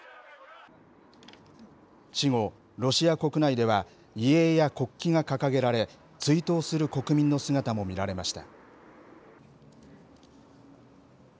死後、ロシア国内では、遺影や国旗が掲げられ、追悼する国民の姿も見られました。